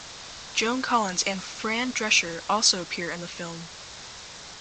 Joan Collins and Fran Drescher also appear in the film.